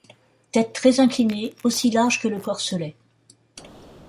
Tète très-inclinée, aussi large que le corselet.